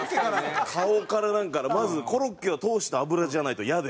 顔からなんからまずコロッケを通した油じゃないとイヤで。